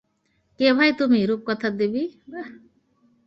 কে ভাই তুমি, রূপকথার দেবী?